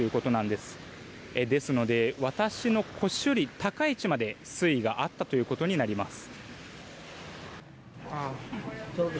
ですので私の腰より高い位置まで水位があったということになります。